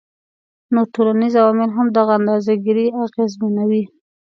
نور ټولنیز عوامل هم دغه اندازه ګيرۍ اغیزمنوي